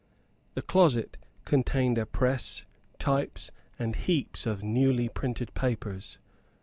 The closet contained a press, types and heaps of newly printed papers.